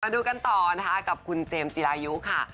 มาดูกันต่อกับคุณเจมส์จีลายุค่ะ